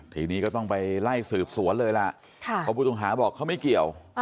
ทีนี้ก็ต้องไปไล่สืบสวนเลยล่ะเพราะผู้ต้องหาบอกเขาไม่เกี่ยว